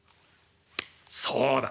そうだ！